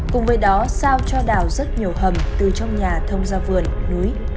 cùng với đó sao cho đảo rất nhiều hầm từ trong nhà thông ra vườn núi